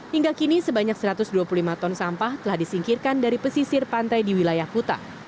hingga kini sebanyak satu ratus dua puluh lima ton sampah telah disingkirkan dari pesisir pantai di wilayah kuta